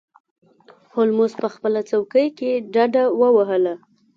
هولمز په خپله څوکۍ کې ډډه ووهله.